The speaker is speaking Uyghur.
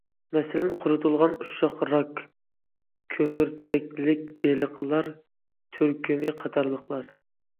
مەسىلەن: قۇرۇتۇلغان ئۇششاق راك، كۆمۈرچەكلىك بېلىقلار تۈركۈمى قاتارلىقلار.